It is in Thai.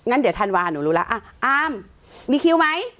อา่มมีคิวไหม